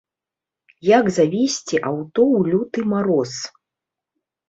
Як завесці аўто ў люты мароз.